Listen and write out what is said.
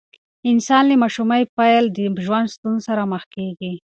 انسان له ماشومۍ پیل د ژوند ستونزو سره مخ کیږي.